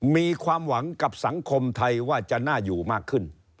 มีความหวังกับสังคมไทยว่าจะน่าอยู่มากขึ้น